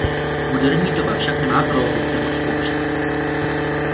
Moderní doba však nemá pro opice moc použití.